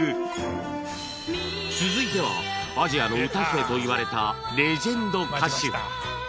続いてはアジアの歌姫といわれたレジェンド歌手